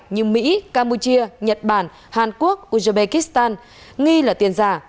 như mỹ campuchia nhật bản hàn quốc uzbekistan nghi là tiền giả